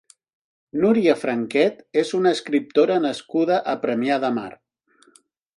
Núria Franquet és una escriptora nascuda a Premià de Mar.